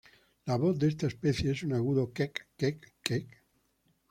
La voz de esta especie es un agudo"kek-kek-kek".